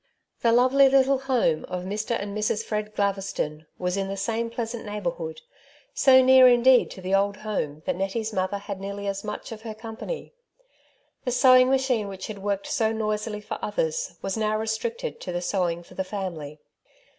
The lovely little home of Mr. and Mrs. Fred Glaveston was in the same pleasant neighbourhood — so near indeed to the old home that Nettie^s mother had nearly as much of her company. The sewing machine which had worked so noisily for others was now restricted to the sewing for the family.